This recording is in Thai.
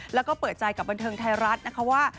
แล้วก็เปิดใจกับบันเทิงไทยรัฐนะคะว่า